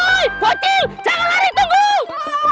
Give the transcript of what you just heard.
oi bocil jangan lari tunggu